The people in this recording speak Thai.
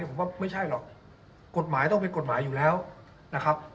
ผมว่าไม่ใช่หรอกกฎหมายต้องเป็นกฎหมายอยู่แล้วนะครับ